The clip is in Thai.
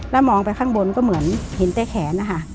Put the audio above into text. แล้วมองไปข้างบนก็เหมือนเห็นแต่แขนนะคะ